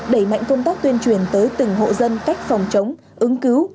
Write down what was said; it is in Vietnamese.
đẩy mạnh công tác tuyên truyền tới từng hộ dân cách phòng chống ứng cứu